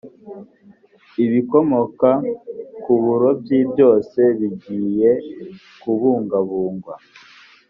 ibikomoka ku burobyi byose bigeye kubungabungwa